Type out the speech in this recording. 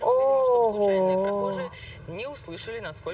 โอ้โห